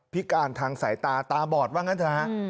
พิการทางสายตาตาบอดบ้างนะครับ